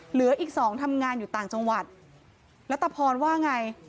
เหลืออีกสองทำงานอยู่ต่างจังหวัดแล้วตะพรว่าไง